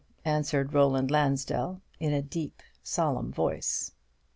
answered Roland Lansdell, in a deep solemn voice.